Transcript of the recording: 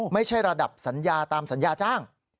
ไม่ใช่ระดับสัญญาตามสัญญาจ้าง